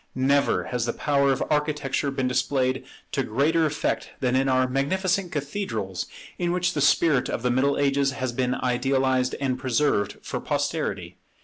Never has the power of Architecture been displayed to greater effect than in our magnificent cathedrals, in which the spirit of the Middle Ages has been idealized and preserved for posterity.